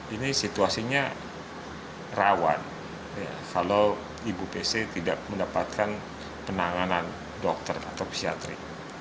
ini situasinya rawan kalau ibu pc tidak mendapatkan penanganan dokter atau psiatri